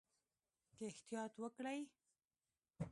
که احتیاط وکړئ